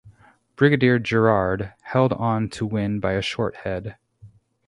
Brigadier Gerard held on to win by a short head.